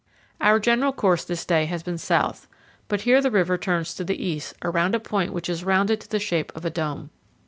Our general course this day has been south, but here the river turns to the east around a point which is rounded to the shape of a dome.